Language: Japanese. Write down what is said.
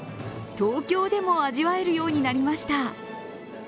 東京でも味わえるようになりました。